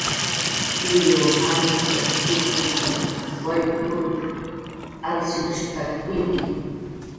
"Tiyunh ancxacx chukpasan wallp"" nurup"" alshinushp""taki uyuki."